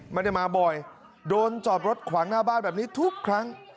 ไม่ได้มาบ่อยโดนจอดรถขวางหน้าบ้านแบบนี้ทุกครั้ง